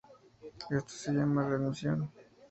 Esto se llama readmisión.